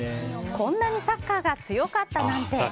こんなにサッカーが強かったなんて。